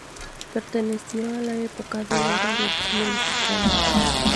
Perteneció a la Época de Oro del Cine Mexicano.